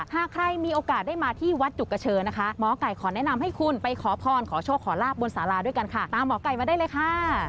หากใครมีโอกาสได้มาที่วัดจุกเชิญนะคะหมอไก่ขอแนะนำให้คุณไปขอพรขอโชคขอลาบบนสาราด้วยกันค่ะตามหมอไก่มาได้เลยค่ะ